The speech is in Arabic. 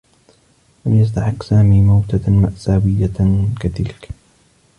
لم يستحقّ سامي موتة مأساويّة كتلك.